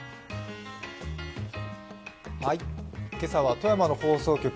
今朝は富山の放送局